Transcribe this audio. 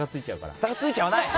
ついちゃわない！